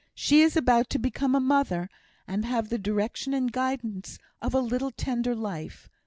She is about to become a mother, and have the direction and guidance of a little tender life.